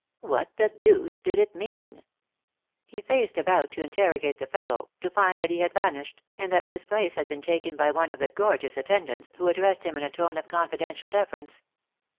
What the deuce did it mean ? He faced about to interrogate the fellow, to find that he had vanished, and that his place had been taken by one of the gorgeous attendants, who addressed him in a tone of confidential deference.